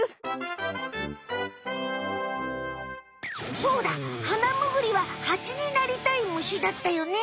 そうだハナムグリはハチになりたい虫だったよね？